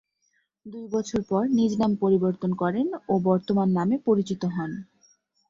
দুই বছর পর নিজ নাম পরিবর্তন করেন ও বর্তমান নামে পরিচিত হন।